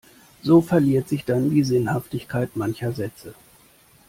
So verliert sich dann die Sinnhaftigkeit mancher Sätze.